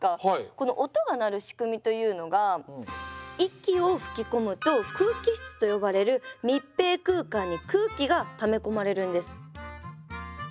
この音が鳴る仕組みというのが息を吹き込むと空気室と呼ばれる密閉空間に空気がため込まれるんです。